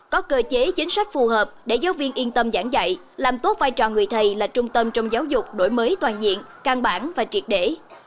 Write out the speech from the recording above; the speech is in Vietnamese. có cơ chế chính sách phù hợp để giáo viên yên tâm giảng dạy làm tốt vai trò người thầy là trung tâm trong giáo dục đổi mới toàn diện căn bản và triệt để